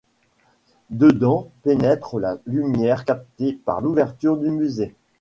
Dedans pénètre la lumière captée par l'ouverture du musée.